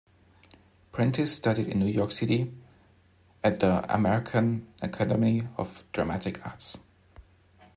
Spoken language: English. Prentice studied in New York City at the American Academy of Dramatic Arts.